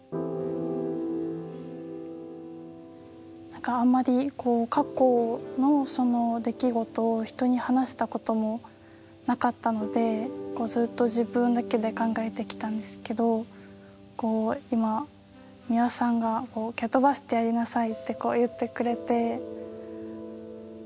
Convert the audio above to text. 何かあんまり過去の出来事を人に話したこともなかったのでずっと自分だけで考えてきたんですけど今美輪さんが「蹴飛ばしてやりなさい」って言ってくれて。